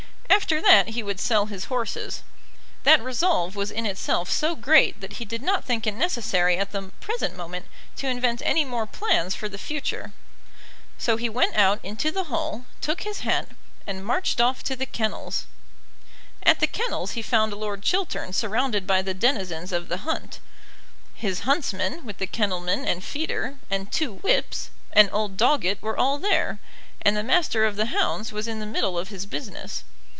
After that he would sell his horses. That resolve was in itself so great that he did not think it necessary at the present moment to invent any more plans for the future. So he went out into the hall, took his hat, and marched off to the kennels. At the kennels he found Lord Chiltern surrounded by the denizens of the hunt. His huntsman, with the kennelman and feeder, and two whips, and old Doggett were all there, and the Master of the Hounds was in the middle of his business.